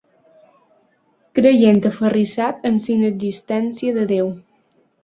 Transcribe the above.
Creient aferrissat en la inexistència de Déu.